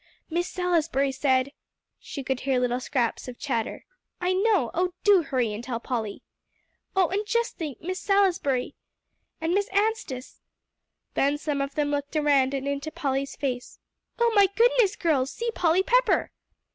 "Miss Salisbury said " She could hear little scraps of chatter. "I know oh, do hurry and tell Polly." "Oh, and just think, Miss Salisbury " "And Miss Anstice " Then some of them looked around and into Polly's face. "Oh my goodness, girls, see Polly Pepper!"